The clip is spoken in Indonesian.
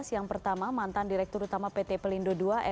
yang pertama mantan direktur utama pt pelindo ii